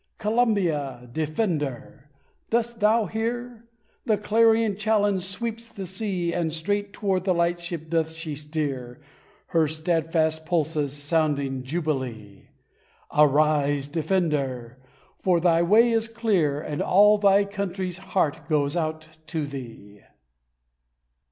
Columbia, Defender! dost thou hear? The clarion challenge sweeps the sea And straight toward the lightship doth she steer, Her steadfast pulses sounding jubilee; Arise, Defender! for thy way is clear And all thy country's heart goes out to thee.